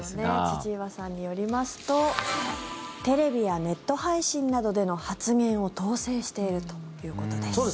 千々岩さんによりますとテレビやネット配信などでの発言を統制しているということです。